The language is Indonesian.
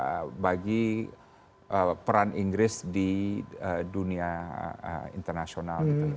yang tepat bagi peran inggris di dunia internasional